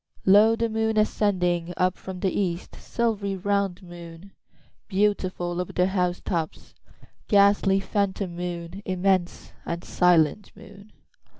2Lo! the moon ascending! Up from the east, the silvery round moon; Beautiful over the house tops, ghastly phantom moon; Immense and silent moon.